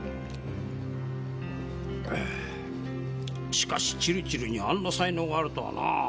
しかしチルチルにあんな才能があるとはなぁ。